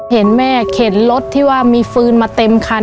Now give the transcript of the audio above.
เห็นแม่เข็นรถที่ว่ามีฟืนมาเต็มคัน